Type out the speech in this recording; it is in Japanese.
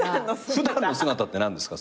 普段の姿って何ですか？